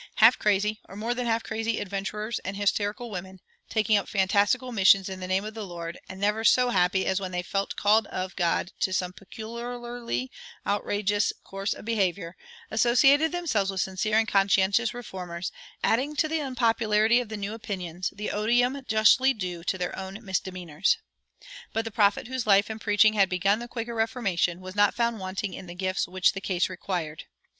Half crazy or more than half crazy adventurers and hysterical women, taking up fantastical missions in the name of the Lord, and never so happy as when they felt called of God to some peculiarly outrageous course of behavior, associated themselves with sincere and conscientious reformers, adding to the unpopularity of the new opinions the odium justly due to their own misdemeanors. But the prophet whose life and preaching had begun the Quaker Reformation was not found wanting in the gifts which the case required.